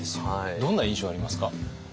どんな印象ありますか？